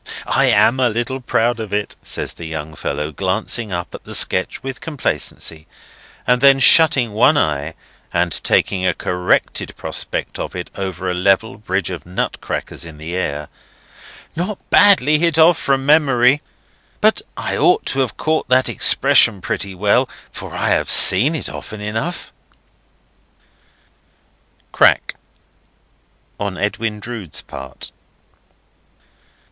"I am a little proud of it," says the young fellow, glancing up at the sketch with complacency, and then shutting one eye, and taking a corrected prospect of it over a level bridge of nut crackers in the air: "Not badly hit off from memory. But I ought to have caught that expression pretty well, for I have seen it often enough." Crack!—on Edwin Drood's part.